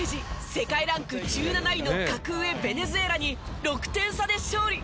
世界ランク１７位の格上ベネズエラに６点差で勝利。